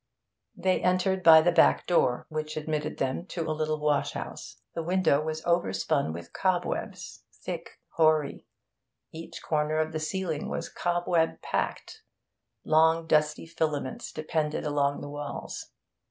They entered by the back door, which admitted them to a little wash house. The window was over spun with cobwebs, thick, hoary; each corner of the ceiling was cobweb packed; long, dusty filaments depended along the walls.